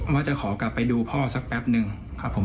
ว่าจะขอกลับไปดูพ่อสักแป๊บนึงครับผม